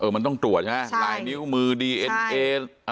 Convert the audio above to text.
เออมันต้องตรวจใช่ไหมใช่ลายนิ้วมือดีเอ็นเอใช่